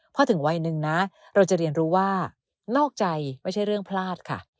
พอถึงวัยหนึ่งนะเราจะเรียนรู้ว่านอกใจไม่ใช่เรื่องพลาดค่ะ